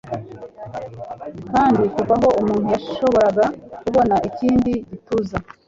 kandi kuva aho umuntu yashoboraga kubona ikindi gituza